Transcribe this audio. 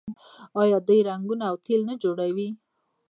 آیا دوی رنګونه او تیل نه جوړوي؟